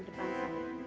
di depan saya